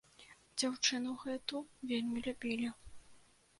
Дзяўчыну гэту вельмі любілі.